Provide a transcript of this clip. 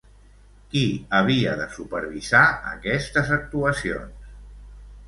Qui havia de supervisar aquestes actuacions?